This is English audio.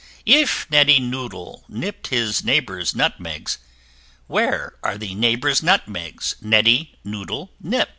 If Neddy Noodle nipp'd his neighbour's Nutmegs, Where are the neighbour's Nutmegs Neddy Noodle nipp'd?